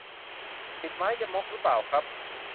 ติดไม้ยมกหรือเปล่าครับ